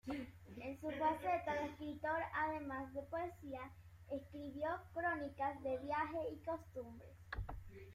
En su faceta de escritor, además de poesía, escribió crónicas de viajes y costumbres.